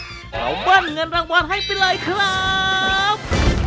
เราเบิ้ลเงินรางวัลให้ไปเลยครับ